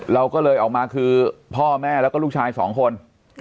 เราก็เลยออกมาคือพ่อแม่แล้วก็ลูกชายสองคน